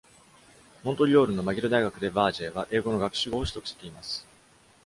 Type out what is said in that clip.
モントリオールのマギル大学でヴァージェーは英語の学士号を取得しています。